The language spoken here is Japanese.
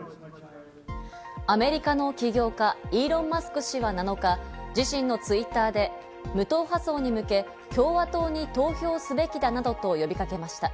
アメリカの起業家イーロン・マスク氏は７日、自身のＴｗｉｔｔｅｒで無党派層に向け、共和党に投票すべきだなどと呼びかけました。